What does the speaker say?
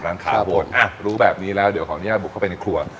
นะฮะรู้แบบนี้และเดี๋ยวของแน่บุ๊คเข้าไปในคั้น